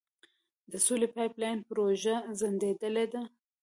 د سولې پایپ لاین پروژه ځنډیدلې ده.